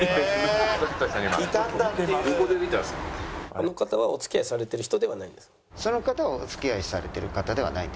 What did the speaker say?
「あの方はお付き合いされてる人ではないんですね？」。